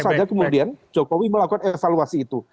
bisa saja kemudian jokowi melakukan evaluasi itu